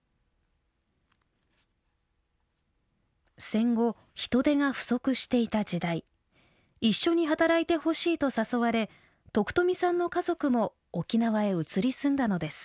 戦後人手が不足していた時代一緒に働いてほしいと誘われ徳富さんの家族も沖縄へ移り住んだのです。